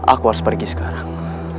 aku harus pergi sekarang